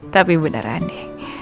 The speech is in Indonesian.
tapi beneran di